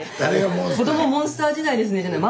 「子どもモンスター時代ですね」じゃない。